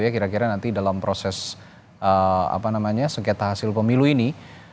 kira kira nanti dalam proses sengketa hasil pemilu ini